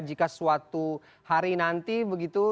jika suatu hari nanti begitu